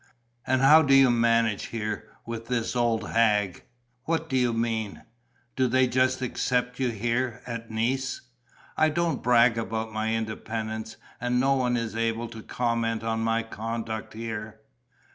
"And how do you manage here, with this old hag?" "What do you mean?" "Do they just accept you here, at Nice?" "I don't brag about my independence; and no one is able to comment on my conduct here."